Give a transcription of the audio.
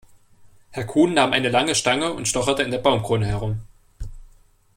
Herr Kuhn nahm eine lange Stange und stocherte in der Baumkrone herum.